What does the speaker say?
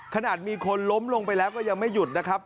ขนาดมีคนล้มลงไปแล้วก็ยังไม่หยุดนะครับ